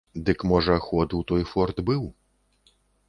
Дык, можа, ход той у форт быў.